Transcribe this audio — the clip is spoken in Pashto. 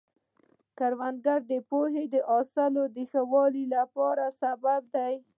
د کروندګر پوهه د حاصل د ښه والي سبب ده.